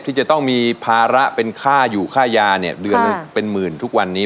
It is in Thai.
ที่จะต้องมีภาระเป็นค่าอยู่ค่ายาเนี่ยเดือนละเป็นหมื่นทุกวันนี้